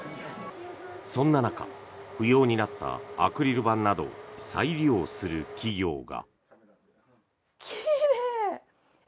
そんな中不要になったアクリル板などを再利用する企業が。